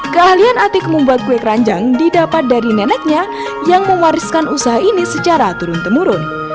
keahlian atik membuat kue keranjang didapat dari neneknya yang mewariskan usaha ini secara turun temurun